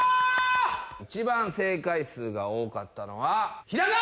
一番正解数が多かったのはヒダカ！